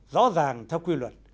rõ ràng theo quy luật